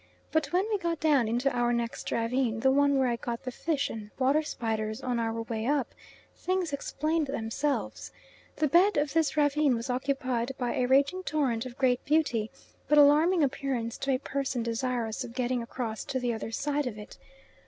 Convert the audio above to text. But when we got down into our next ravine, the one where I got the fish and water spiders on our way up, things explained themselves. The bed of this ravine was occupied by a raging torrent of great beauty, but alarming appearance to a person desirous of getting across to the other side of it.